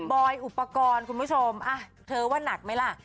บอยอุปกรณ์คุณผู้ชมเธอว่าหนักไหมล่ะ